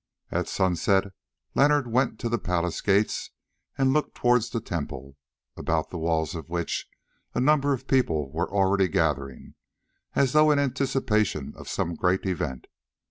At sunset Leonard went to the palace gates and looked towards the temple, about the walls of which a number of people were already gathering, as though in anticipation of some great event.